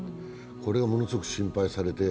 これはものすごく心配されて。